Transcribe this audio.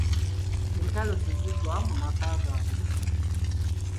Entalo teziggwa mu maka gaabwe.